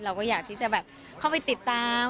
เราก็อยากที่จะแบบเข้าไปติดตาม